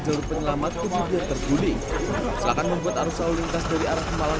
jalur penyelamat kemudian terguling silakan membuat arus awal lingkas dari arah kemalang